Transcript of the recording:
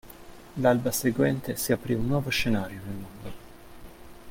L'alba seguente si aprì un nuovo scenario nel mondo.